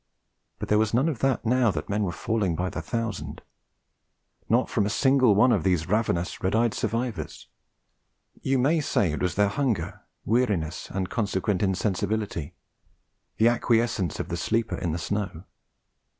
But there was none of that now that men were falling by the thousand; not from a single one of these ravenous, red eyed survivors. You may say it was their hunger, weariness, and consequent insensibility, the acquiescence of the sleeper in the snow.